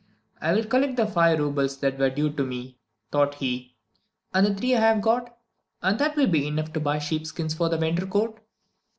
"I'll collect the five roubles that are due to me," thought he, "add the three I have got, and that will be enough to buy sheep skins for the winter coat."